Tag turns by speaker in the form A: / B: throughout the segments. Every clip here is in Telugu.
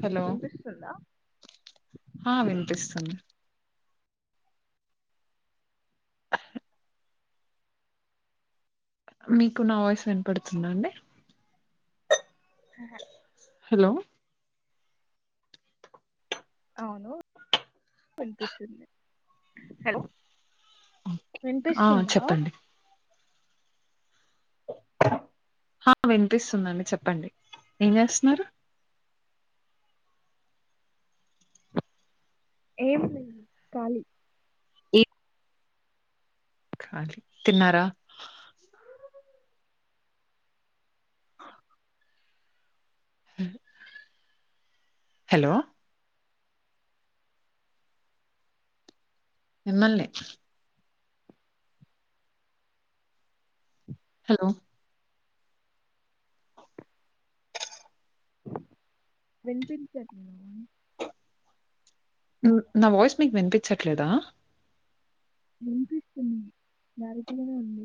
A: హలో,
B: వినిపిస్తుందా
A: ఆ వినిపిస్తుంది. మీకు నా వాయిస్, వినపడుతుందా అండి.
B: ఆహా
A: హలో
B: అవును వినిపిస్తుంది హలో
A: ఆ
B: వినిపిస్తుందా
A: చెప్పండి ఆ వినిపిస్తుందండి చెప్పండి ఏం చేస్తున్నారు
B: ఏం లేదు కాలి
A: ఇ ఖాలి తిన్నారా హలో మిమ్మల్నే హలో
B: వినిపించట్లేదా
A: నా వాయిస్ మీకు వినిపించట్లేదా
B: వినిపిస్తుంది క్లారిటీ గానే ఉంది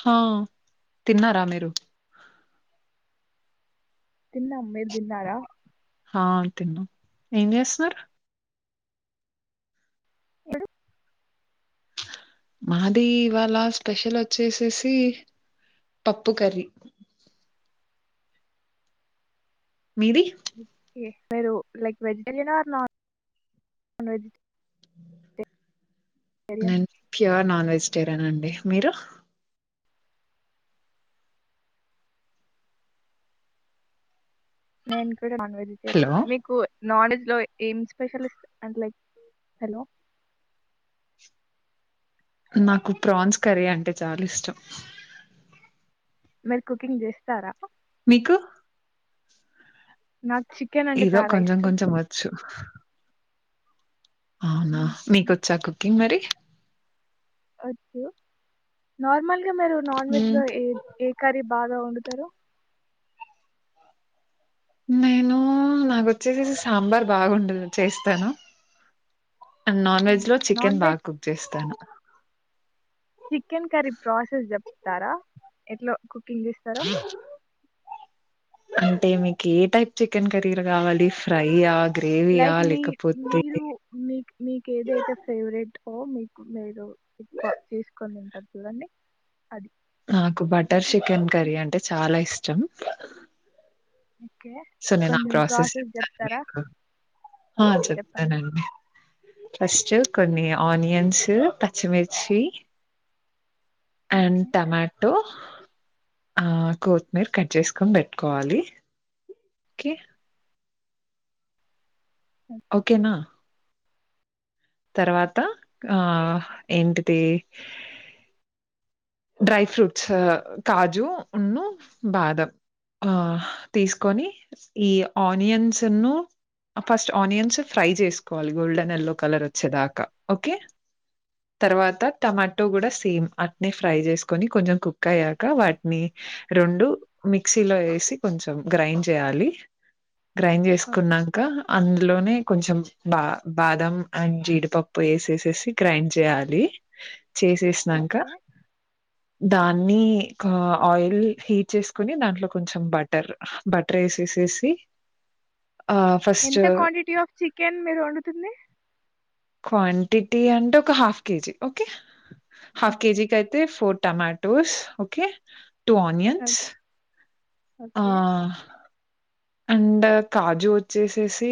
A: హ తిన్నారా మీరు
B: తిన్నమ్ మీర్ తిన్నారా
A: ఆ తిన్నా ఏం చేస్తున్నారు
B: ఏడు
A: మాది ఇవాళ స్పెషల్ వచ్చేసేసి పప్పు కర్రీ మీది
B: ఓకే [unintelligible] లైక్ వెజిటేరియన్ ఆ లేక నాన్ వెజ్
A: నేన్ ప్యూర్ నాన్ వెజిటేరియన్ అండి మీరు
B: నేను కూడా నాన్ వెజిటేరియన్
A: హలో
B: మీకు నాన్వేజ్ లో ఏం స్పెషలిస్ట్ అం లైక్ హలో
A: నాకు ప్రాన్స్ కర్రీ అంటే చాలా ఇష్టం
B: మీరు కుకింగ్ చేస్తారా
A: మీకు
B: నాకు చికెన్ అంటే
A: ఏదో
B: చాలా
A: కొంచెం
B: ఇష్టం
A: కొంచెం వచ్చు. అవునా
B: మ్మ్.
A: మీకొచ్చా కుకింగ్ మరి
B: వచ్చు నార్మల్గా మీరు నాన్ వెజ్
A: హ్మ్
B: లో ఏ ఏ కర్రీ బాగా వండుతారు
A: నేను నాకోచ్చేసి సాంబార్ బాగుండదు చేస్తాను అండ్ నాన్ వెజ్ లో
B: ఓకే. నాన్
A: చికెన్
B: వెజ్
A: బాగా కుక్ చేస్తాను
B: చికెన్ కర్రీ ప్రాసెస్ చెప్తారా ఎట్లా కుకింగ్ చేస్తారో
A: అంటే మీకు ఏ టైప్ చికెన్ కర్రీలు కావాలి ఫ్రైయా గ్రేవీయా
B: లైక్ మీ
A: లేకపోతే
B: మీరు మీకు మీకు ఏదైతే ఫేవరెట్ ఓ మీకు మీరు ఎక్కువ తీసుకొని ఉంటారు చూడండి అది
A: నాకు బటర్ చికెన్ కర్రీ అంటే చాలా ఇష్టం
B: ఓకే
A: సరే నా
B: కొంచెం
A: ప్రాసెస్ చెప్తాను
B: చెప్తారా
A: మీకు ఆ
B: ఓకే చెప్పండి
A: చెప్తానండి ఫస్ట్ కొన్ని ఆనియన్స్ పచ్చిమిర్చి అండ్
B: ఓకే
A: టమాటో ఆ కొత్తిమీర కట్ చేసుకొని పెట్టుకోవాలి ఓకే ఓకేనా తర్వాత ఆ ఏంటిది డ్రై ఫ్రూట్స్ కాజున్ను బాదం ఆ తీసుకొని ఈ ఆనియన్స్ ను ఫస్ట్ ఆనియన్స్ ఫ్రై చేసుకోవాలి గోల్డెన్ ఎల్లో కలర్ వచ్చేదాకా ఓకే తర్వాత టమాటో కూడా సేమ్ అట్నే ఫ్రై చేసుకొని కొంచెం కుక్ అయ్యాక వాటిని రెండు మిక్సీలో వేసి కొంచెం గ్రైండ్ చేయాలి గ్రైండ్ చేసుకున్నాక అందులోనే కొంచెం బా బాదం అండ్ జీడిపప్పు వేసేసేసి గ్రైండ్ చేయాలి చేసేసినంక
B: ఓకే
A: దాన్ని కా ఆయిల్ హీట్ చేసుకుని దాంట్లో కొంచెం బటర్ బటర్ వేసేసి
B: ఎంత క్వాంటిటీ ఆఫ్ చికెన్ మీరుం
A: క్వాంటిటీ అంటే ఒక half KG okay half
B: okay
A: కేజీకి అయితే four tomatoes okay two onions ఆ
B: ఓకే
A: అండ్ కాజు వచ్చేసేసి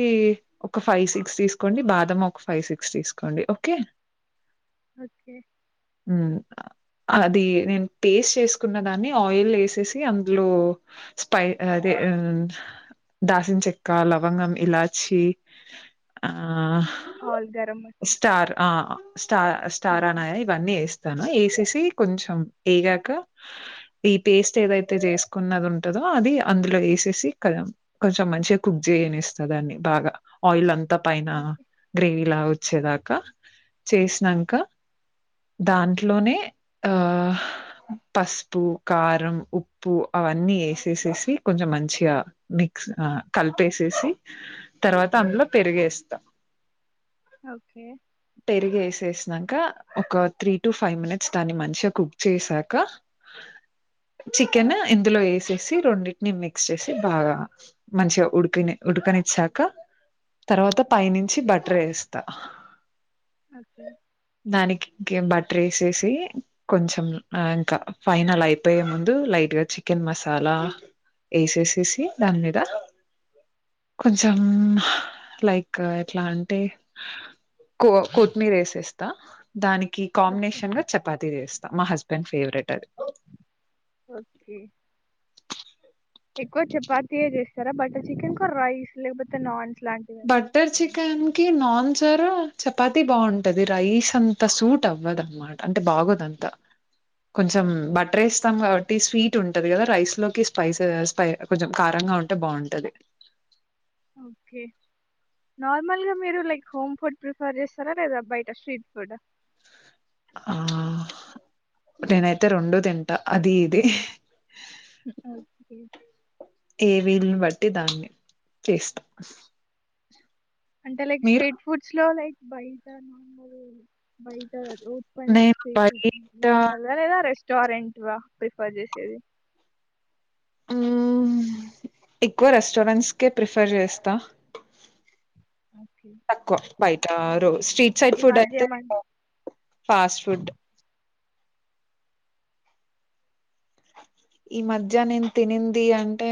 A: ఒక ఫైవ్ సిక్స్ తీసుకోండి బాదం ఒక ఫైవ్ సిక్స్ తీసుకోండి ఓకే
B: ఓకే
A: ఉమ్మ్ అది నేను పేస్ట్ చేసుకున్న దాన్ని ఆయిల్ ఎసేసి అందులో స్పై అదే దాసిన చెక్క లవంగం ఇలాచి
B: ఆల్ గరం మసాలా
A: స్టార్ ఆ స్టార్ స్టార్
B: ఓకే
A: అన్నాయా ఇవన్నీ వేసి తను ఎసేసి కొంచెం ఎగాక ఈ పేస్ట్ ఏదైతే చేసుకున్నది ఉంటందో అది అందులో యేసేసి కద కొంచెం మంచిగా కుక్ చేయనిస్తందన్ని బాగా ఆయిల్ అంతా పైన
B: ఓకే
A: గ్రేవీ వచ్చేదాకా చేసినాంక దాంట్లోనే ఆ పసుపు కారం ఉప్పు అవన్నీ ఏసేసేసి కొంచెం మంచిగా మిక్స్ ఆ కలిపేసేసి తర్వాత అందులో పెరిగేస్తాం
B: ఓకే
A: పెరిగి ఏసేసినం కా ఒక త్రీ టు ఫైవ్ మినిట్స్ దాన్ని మంచిగా కుక్ చేసాక చికెన్ ఇందులో వేసేసి రెండింటిని మిక్స్ చేసి బాగా మంచిగా ఉడికిని ఉడుకనిచ్చాక తర్వాత పైనుంచి బట్టర్ ఏస్తా
B: ఓకే
A: దానికింక బట్టర్ ఏసేసి కొంచెం ఇంకా ఫైనల్ అయిపోయే ముందు లైట్ గా చికెన్ మసాలా ఏసేసి దాని మీద కొంచెం లైక్ ఎట్లా అంటే కో కొత్మీర ఏసేస్ తా దానికి
B: ఓకే
A: కాంబినేషన్ గా చపాథీ చేస్తా మా హస్బెండ్ ఫేవరెట్ అది
B: ఓకే ఎక్కువ చపాతీయే చేస్తారా బటర్ చికెన్ కు రైస్ లేకపోతే నాన్
A: బట్టర్ చికెన్ కి నాన్ జరా చపాతి బాగుంటది రైస్ అంతా సూట్ అవ్వదు అన్నమాట అంటే బాగోదంతా కొంచెం
B: ఓకే
A: బట్టర్ వేస్తాం కాబట్ టి స్వీట్ ఉంటది కదా రైస్ లోకి స్పైస్ కొంచెం కారంగా ఉంటే బాగుంటది [inaudible]
B: ఓకే నార్మల్గా మీరు లైక్ హోమ్ ఫుడ్ ప్రిఫర్ చేస్తారా లేదా బయట స్ట్రీట్ ఫుడ్ ఆ
A: ఆ నేనైతే రెండు తింటా అది ఇది
B: ఓకే
A: ఏ వీలని బట్టి దాన్ని చేస్తా
B: అంటే లైక్
A: మీరు?
B: స్ట్రీట్ ఫుడ్స్ లో లైక్ బయట నాబ బైట రోడ్ పైనా
A: నేను
B: ఏగ్గతా
A: బయట
B: నార్మల్ గా లేదా రెస్టారెంట్ వి ప్రిఫర్ చేసేది
A: హ్మ్మ్ ఎక్కువ రెస్టారెంట్స్కే ప్రిఫర్ చేస్తా
B: ఓకే
A: తక్కువ బయట రో స్ట్రీట్ సైడ్
B: ఈ
A: ఫుడ్
B: మధ్య
A: అయితే
B: మనకి
A: ఫాస్ట్ ఫుడ్ ఈ మధ్య నేను తినింది అంటే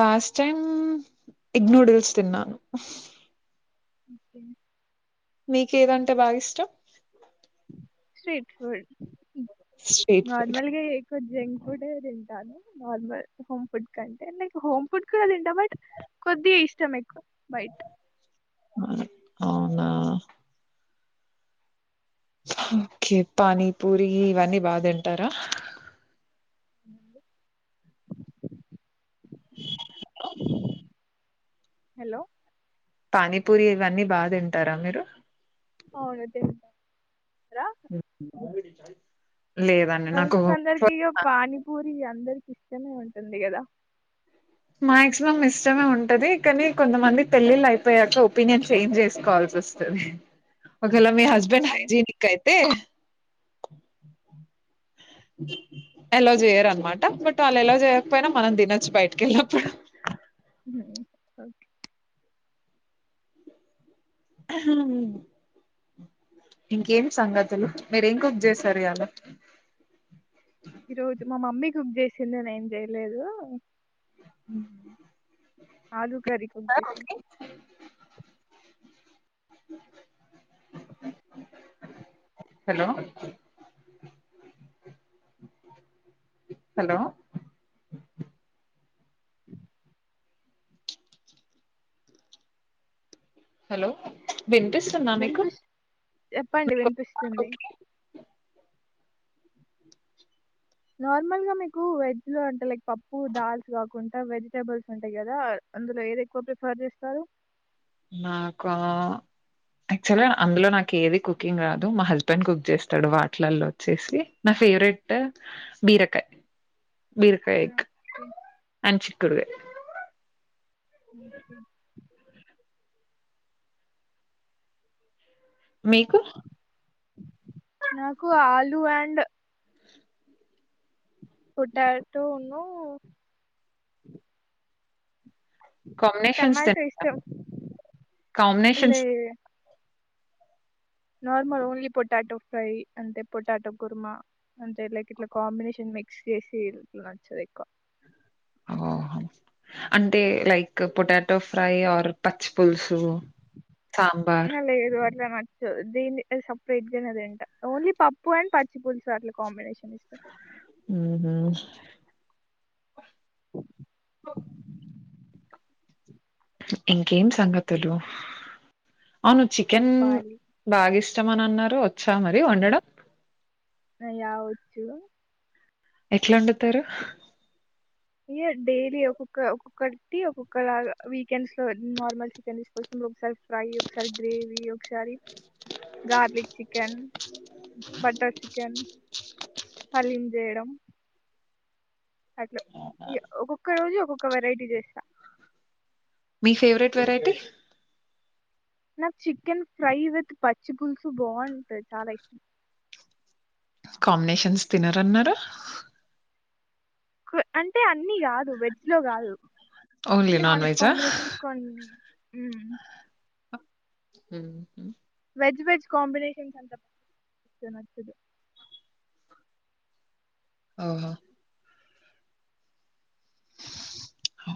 A: లాస్ట్ టైమ్ ఇగ్ నూడిల్స్ తిన్నాను
B: అఓకే
A: మీకేదంటే బాగా ఇష్టం
B: స్ట్రీట్ ఫుడ్
A: స్ట్రీట్ ఫుడ్
B: నార్మల్‌గా ఎక్కువ జంక్ ఫుడ్ అ తింటాను నార్మల్ హోమ్ ఫుడ్ కంటే నై హోమ్ ఫుడ్ కూడా తింటా బట్ కొద్ది ఇష్టం ఎక్కువ బైట్
A: అ అవునా ఓకే పానీ పూరి ఇవన్నీ బాగా తింటారా
B: [inaudible]
A: [inaudible]
B: హలో
A: పానీపూరి ఇవన్నీ బాగా తింటారా మీరు
B: అవును తింటా
A: లేదండి నాకు
B: అది అందరికి ఇష్టమ ఉంటుంది కదా
A: మాక్సిమం ఇష్టమే ఉంటది కానీ కొంతమంది పెళ్ళళ్ళ అయిపోయాక ఒపీనియన్ చేంజ్ చేసుకోవాల సోతాది ఒకగల మీ హస్బెండ్
B: ఓకే.
A: హైజెనిక్ అయితే ఎలా చేయరునమాట బట్ వాళ్ళు ఎలా చేయకపోయినా మనం తినొచ్చి బయటిక వెళ్ళినప్పుడు [inaudible]
B: ఓకే
A: హ ఇంకేం సంగతులు మీరేం కుక్ చేశారు ఇయాల
B: ఈ రోజు మా మమ్మీ కుక్ చేసిందిని నేన్ చెయలేదు
A: ఉ
B: ఆలుూ కర్రీ కుక్ చేసాం
A: [inaudible] హలో హలో
B: అ
A: హలో వినిపిస్తుంద మీకు
B: వినిపిస్ చెప్పండి వినిపిస్తుంది. నార్మల్ గా మీకు వెజ్ లో అంటే లైక్ పప్పు దాల్స్ కాకుండా వెజిటేబుల్స్ ఉంటాయి కదా అందులో ఏది ఎక్కువ ప్రిఫర్ చేస్తారు
A: నాకు యాక్చువల్ అందులో నాకు ఏది కుకింగ్ రాదు మా హస్బెండ్ కుక్ చేస్తాడు వాటిలల్లో వచ్చేసి నా ఫేవరెట్ బీరకయ
B: ఓకే
A: అని చకుడువే
B: కే
A: మీకు
B: నాకు ఆలుూ అండ్ కుట్టాట ఉన్నూ
A: కాంబినేషన్స్ తె
B: ఇష్టం
A: combinations
B: normal only potato fry అంటే పోొటాటో గుర్మా అంటే ఎల ఇల కొంబినేషన్ మిక్స్ చేసి ఇచ్చద
A: ఓహ అంటంటే ైక్ పొటాటో ఫ్రై పులుసు సాంబార్
B: ఇలా నచ్చదు దీనిని సపరేట్ గానేతింట ఓన్లీ పప్పు అండ్ పచ్చి పులుసు అట్లు కాంబినేషన్ ఇష్టం
A: ఊహూ ఇంకేం సంగతులు అవును చికెన్
B: చెప్పాలి
A: బాగా ఇష్ ఇష్టమని అన్నారు వచ్చా మరి వండడం
B: అయ్యా వచ్చు
A: ఎట్లొండుతారు
B: ఓగ డైలీ ఒక్కొక్క ఒక్కొక్కటి ఒక్కొక్కలాగా వీకెండ్స్ లో నార్మల్ చికెన్ తీసుకొ [inaudible] ఒకసారి ఫ్రై ఒకసారి గ్రేవి ఒకసారి garlic chicken butter chicken haleem చేేయడం అట్ల ఒక్కొక్క రోజు ఒక్కొక్క వెరైటీ చేస్తా
A: మీ ఫేవరెట్ వెరైటీ
B: నాకు చికెన్ ఫ్రై విత్ పచ్చి పులుసు బావుటాయి చాలా ఇష్టం
A: కాంబినేషన్స్ తినరన్నారు
B: కు అంటే అన్నీ కాదు వెజ్ లో కాదు
A: ఓన్లీ
B: నాన్ వెజ్
A: వెజా
B: కాంబినేషన్స్ కొన్ని ఉమ్
A: ఊహూ
B: వెజ్ వెజ్ కాంబినేషన్స్ అంత [inaudible] నచ్చదు
A: ఓహో హో